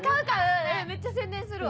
めっちゃ宣伝するわ。